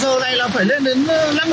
giờ này là phải lên đến năm mươi phân rồi